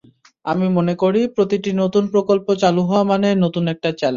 আমি মনে করি, প্রতিটি নতুন প্রকল্প চালু হওয়া মানে নতুন একটা চ্যালেঞ্জ।